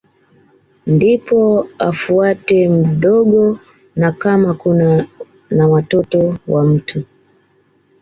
Ndipo afuate mdogo na kama kuna na watoto wa mtu